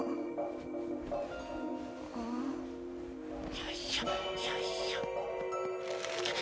よいしょよいしょ。